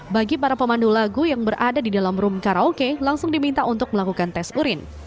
bagi para pemandu lagu yang berada di dalam room karaoke langsung diminta untuk melakukan tes urin